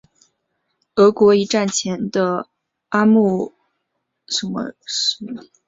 俄国一战前的阿穆尔河区舰队拥有着强大的内河炮舰实力。